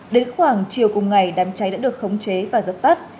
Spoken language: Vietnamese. đến khoảng chiều cùng ngày đám cháy đã được khống chế và dập tắt